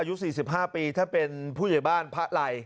อายุ๔๕ปีถ้าเป็นผู้ใหญ่บ้านพระไล